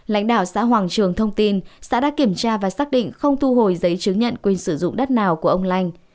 lãnh đạo xã hoàng trường thông tin xã đã kiểm tra và xác định không thu hồi giấy chứng nhận quyền sử dụng đất nào của ông lanh